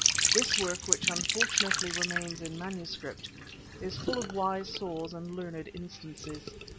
This work, which, unfortunately, remains in manuscript, is full of wise saws and learned instances.